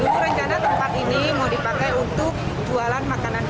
kucing dan anjing ini diketahui tidak berhubungan dengan kucing dan anjing